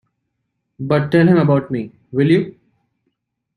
But tell him about me, will you?